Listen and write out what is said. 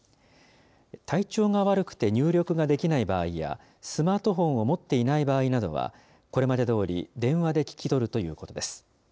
体調が悪くて入力ができない場合や、スマートフォンを持っていない場合などは、これまでどおり、電話で聞き取るということです。